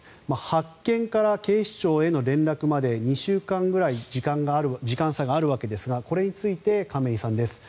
発見から警視庁への連絡まで２週間ぐらい時間差があるわけですがこれについて、亀井さんです。